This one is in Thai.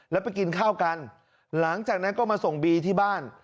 แล้วไปกินข้าวกันหลังจากนั้นก็มาส่งบีที่บ้าน